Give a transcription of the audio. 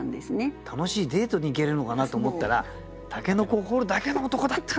楽しいデートに行けるのかなと思ったら筍を掘るだけの男だったんだみたいな。